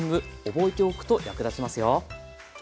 覚えておくと役立ちますよ。